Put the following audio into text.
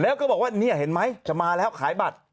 แล้วก็บอกว่านี่เห็นไหมจะมาแล้วขายบัตร